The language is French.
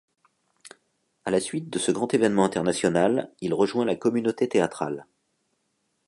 À la suite de ce grand événement international, il rejoint la communauté théâtrale.